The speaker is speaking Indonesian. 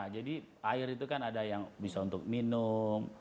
jadi air itu kan ada yang bisa untuk minum